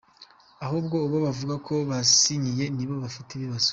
Ahubwo abo bavuga ko yabasinyiye nibo bafite ibibazo.